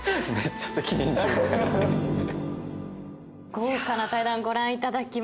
豪華な対談ご覧いただきました。